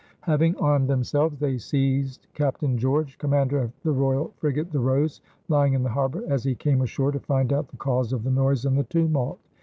Having armed themselves, they seized Captain George, commander of the royal frigate, the Rose, lying in the harbor, as he came ashore to find out the cause of the noise and the tumult.